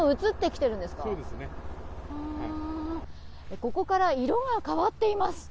ここから色が変わっています。